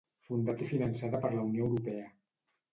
Fundat i finançada per la Unió Europea.